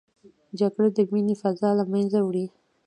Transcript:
جګړه د مینې فضا له منځه وړي